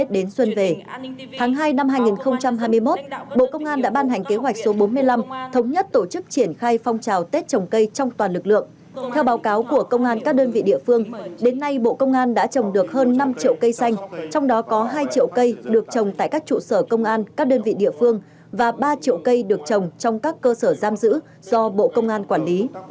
đến nay bộ công an đã trồng được hơn năm triệu cây xanh trong đó có hai triệu cây được trồng tại các trụ sở công an các đơn vị địa phương và ba triệu cây được trồng trong các cơ sở giam giữ do bộ công an quản lý